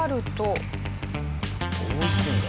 どう行くんだ？